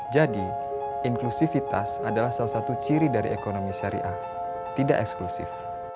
jadi inklusivitas adalah salah satu ciri dari ekonomi syariah tidak eksklusif